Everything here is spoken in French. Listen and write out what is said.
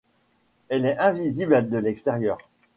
Elle est invisible de l'extérieur.